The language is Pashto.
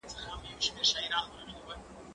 زه کولای سم سیر وکړم،